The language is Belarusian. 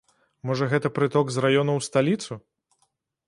Можа, гэта прыток з раёнаў у сталіцу?